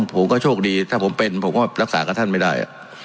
ผมก็โชคดีถ้าผมเป็นผมก็รักษากับท่านไม่ได้